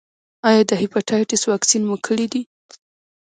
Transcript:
ایا د هیپاټایټس واکسین مو کړی دی؟